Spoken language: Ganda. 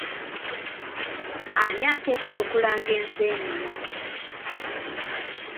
Ani akedde okulanga enseenene?